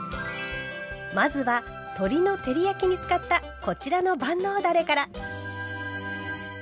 まずは鶏の照り焼きに使ったこちらの万能だれから。